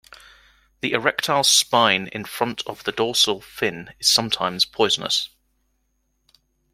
The erectile spine in front of the dorsal fin is sometimes poisonous.